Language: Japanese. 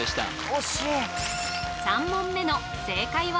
惜しい３問目の正解は？